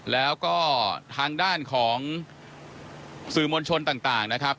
แล้วก็ทางด้านของสื่อมวลชนต่างนะครับ